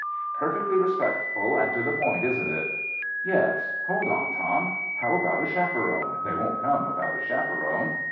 " Perfectly respectful and to the point, isn't it?" " Yes. Hold on, Tom. How about a chap eron ? They won't come without a chaperon."